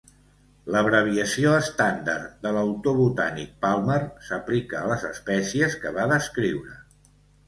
L'abreviació estàndard de l'autor botànic Palmer s'aplica a les espècies que va descriure.